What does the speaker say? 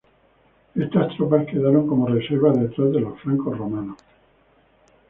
Estas tropas quedaron como reservas detrás de los flancos romanos.